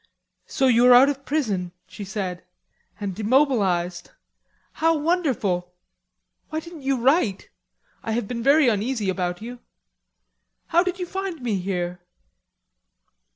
"So you are out of prison," she said, "and demobilized. How wonderful! Why didn't you write? I have been very uneasy about you. How did you find me here?"